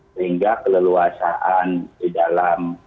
sehingga keleluasaan di dalam